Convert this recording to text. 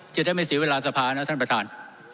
จะได้ไม่เสียเวลาสภานะท่านประธาน